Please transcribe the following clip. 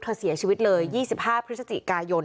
เสียชีวิตเลย๒๕พฤศจิกายน